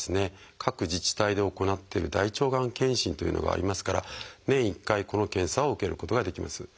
各自治体で行っている大腸がん検診というのがありますから年１回この検査を受けることができます。